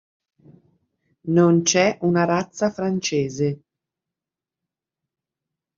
Non c'è una razza francese.